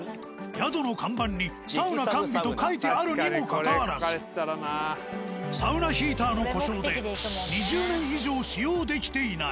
宿の看板に「サウナ完備」と書いてあるにもかかわらずサウナヒーターの故障で２０年以上使用できていない。